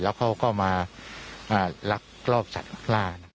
และเขาก็มารักรอบสัตว์ป่า